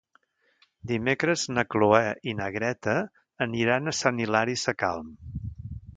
Dimecres na Cloè i na Greta aniran a Sant Hilari Sacalm.